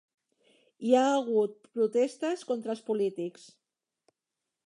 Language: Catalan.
Hi ha hagut protestes contra els polítics.